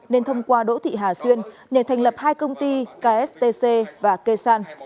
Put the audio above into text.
nên thông qua đỗ thị hà xuân nhờ thành lập hai công ty kstc và kesan